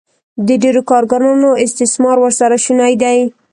د ډېرو کارګرانو استثمار ورسره شونی دی